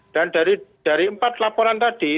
dari empat laporan tadi